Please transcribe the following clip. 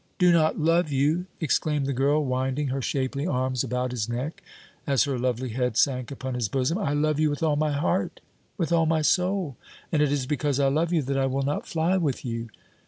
"Do not love you!" exclaimed the girl, winding her shapely arms about his neck, as her lovely head sank upon his bosom. "I love you with all my heart, with all my soul, and it is because I love you that I will not fly with you!"